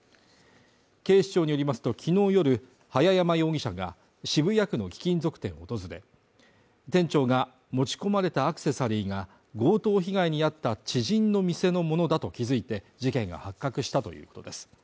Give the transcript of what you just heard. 警視庁によりますときのう夜、早山容疑者が渋谷区の貴金属店を訪れ、店長が持ち込まれたアクセサリーが強盗被害にあった知人の店のものだと気づいて、事件が発覚したということです。